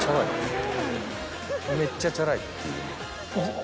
めっちゃチャラいっていう。